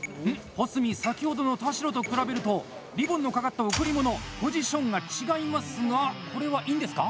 保住、先ほどの田代と比べるとリボンの掛かった贈り物ポジションが違いますがこれは、いいんですか？